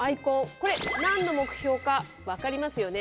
これ何の目標か分かりますよね？